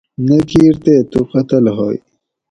نہ کیر تے تُو قتل ہوئے